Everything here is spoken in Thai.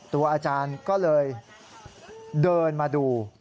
อาจารย์ก็เลยเดินมาดู